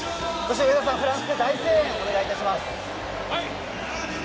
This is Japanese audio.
上田さん、フランスで大声援をお願いします。